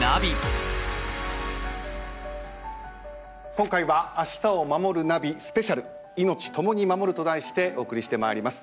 今回は「明日をまもるナビスペシャルいのちともに守る」と題してお送りしてまいります。